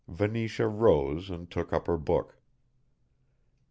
Venetia rose and took up her book.